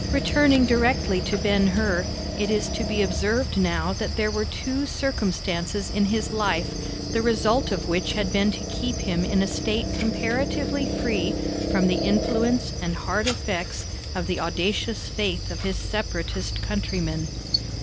Returning directly to Ben Hur, it is to be observed now that there were two circumstances in his life the result of which had been to keep him in a state comparatively free from the influence and hard effects of the audacious faith of his Separatist countrymen.